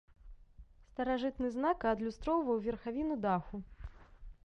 Старажытны знака адлюстроўваў верхавіну даху.